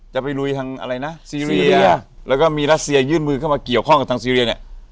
ไปลุยทางอะไรนะซีเรียแล้วก็มีรัสเซียยื่นมือเข้ามาเกี่ยวข้องกับทางซีเรียเนี่ย